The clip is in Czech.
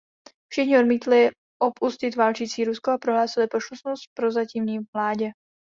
Všichni odmítli opustit válčící Rusko a prohlásili poslušnost prozatímní vládě.